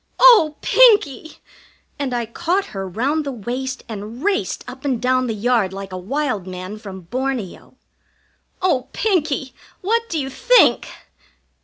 "Oh, Pinkie!" And I caught her round the waist and raced up and down the yard like a wild man from Borneo. "Oh, Pinkie, what do you think?"